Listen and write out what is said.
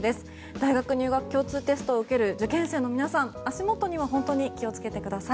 大学入学共通テストを受ける受験生の皆さん足元には本当に気を付けてください。